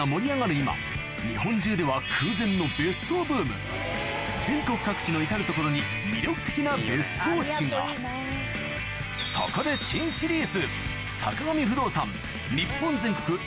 今日本中では空前の全国各地の至る所に魅力的な別荘地がそこで新シリーズ！